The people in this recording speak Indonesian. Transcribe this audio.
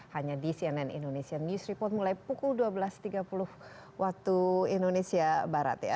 hanya di cnn indonesia news report mulai pukul dua belas tiga puluh waktu indonesia barat ya